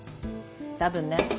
多分ね。